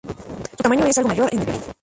Su tamaño es algo mayor que el violín.